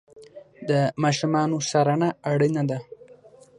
د ماشومانو څارنه اړینه ده.